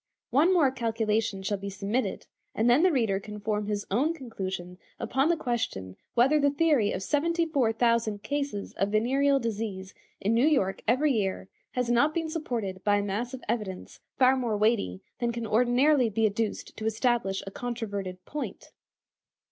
One more calculation shall be submitted, and then the reader can form his own conclusion upon the question whether the theory of seventy four thousand cases of venereal disease in New York every year has not been supported by a mass of evidence far more weighty than can ordinarily be adduced to establish a controverted point.